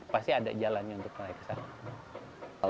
pasti ada jalannya untuk naik ke sana